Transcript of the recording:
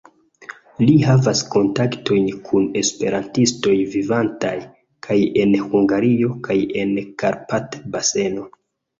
Li havas kontaktojn kun esperantistoj, vivantaj kaj en Hungario, kaj en Karpat-baseno.